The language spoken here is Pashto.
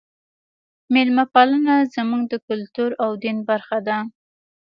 میلمه پالنه زموږ د کلتور او دین برخه ده.